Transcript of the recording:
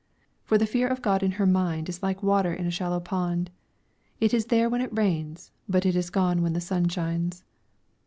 For the fear of God in her mind is like water in a shallow pond: it is there when it rains, but it is gone when the sun shines.